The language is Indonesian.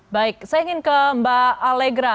baik saya ingin ke mbak alegra